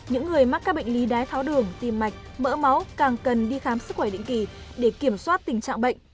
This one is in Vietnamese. những người mắc các bệnh lý đái tháo đường tim mạch mỡ máu càng cần đi khám sức khỏe định kỳ để kiểm soát tình trạng bệnh